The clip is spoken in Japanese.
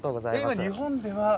今日本では。